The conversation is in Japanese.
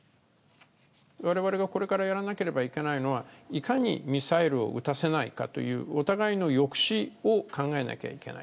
われわれがこれからやらなければいけないのは、いかにミサイルを撃たせないかというお互いの抑止を考えなきゃいけない。